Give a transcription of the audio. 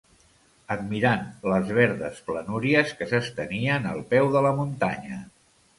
Admirant les verdes planúries que s'estenien al peu de la muntanya